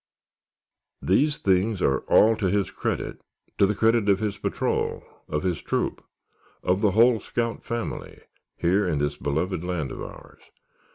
These things are all to his credit—to the credit of his patrol, of his troop, of the whole scout family, here in this beloved land of ours.